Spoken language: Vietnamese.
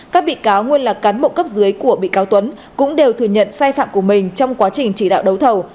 các bị cáo nguyên là cán bộ cấp dưới của bị cáo tuấn cũng đều thừa nhận sai phạm của mình trong quá trình chỉ đạo đấu thầu